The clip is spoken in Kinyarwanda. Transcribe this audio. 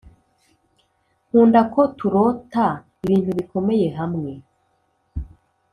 nkunda ko turota ibintu bikomeye hamwe